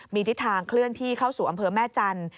มีทิศทางเคลื่อนที่เข้าสู่อำเภอแม่จันทร์